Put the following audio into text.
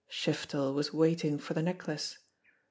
Shiftel was waiting for the necklace!